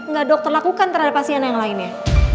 gak ada dokter lakukan terhadap pasien yang lainnya